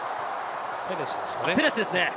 ペレセですかね。